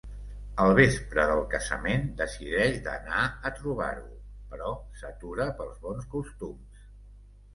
El vespre del casament decideix d'anar a trobar-ho però s'atura pels bons costums.